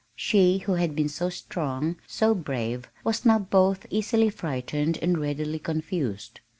She who had been so strong, so brave, was now both easily frightened and readily confused.